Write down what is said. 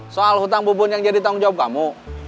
soal hutang bubun yang jadi tanggung jawab kamu